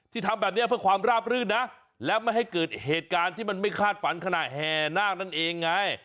ทำแบบนี้เพื่อความราบรื่นนะและไม่ให้เกิดเหตุการณ์ที่มันไม่คาดฝันขณะแห่นาคนั่นเองไง